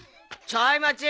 ちょい待ち。